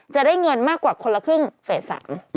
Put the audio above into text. จะได้เงินมากกว่าคนละครึ่งเฟส๓